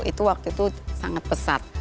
itu waktu itu sangat pesat